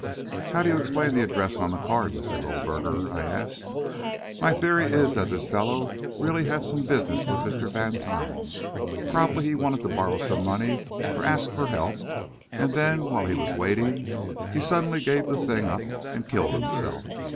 "How do you explain the address on the card, Mr. Goldberger?" I asked. "My theory is that this fellow really had some business with Mr. Vantine; probably he wanted to borrow some money, or ask for help; and then, while he was waiting, he suddenly gave the thing up and killed himself.